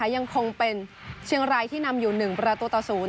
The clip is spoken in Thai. ยังคงเป็นเชียงรายที่นำอยู่๑ประตูต่อ๐